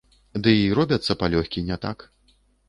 Дый робяцца палёгкі не так.